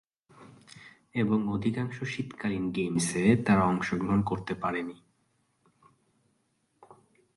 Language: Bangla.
এবং অধিকাংশ শীতকালীন গেমসে তারা অংশগ্রহণ করতে পারেনি।